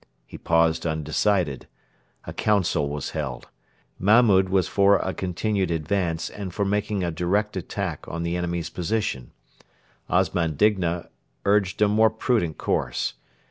He paused undecided. A council was held. Mahmud was for a continued advance and for making a direct attack on the enemy's position. Osman Digna urged a more prudent course.